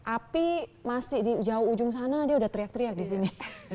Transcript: api masih di jauh ujung sana dia udah teriak teriak di sini